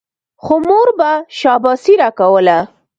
خو مور به شاباسي راکوله.